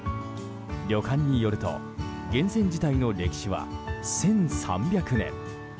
旅館によると源泉自体の歴史は１３００年。